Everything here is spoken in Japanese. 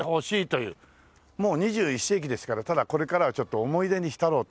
もう二十一世紀ですからただこれからはちょっと思い出に浸ろうと。